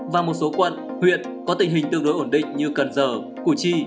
và một số quận huyện có tình hình tương đối ổn định như cần giờ củ chi